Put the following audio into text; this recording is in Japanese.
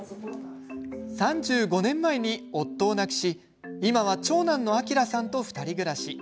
３５年前に夫を亡くし今は長男の明さんと２人暮らし。